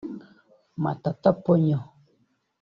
Matata Ponyo